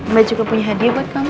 mbak juga punya hadiah buat kamu